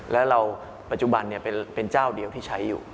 แล้วเราปัจจุบันเป็นเจ้าเดียวที่ใช้อยู่